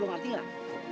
lu ngerti gak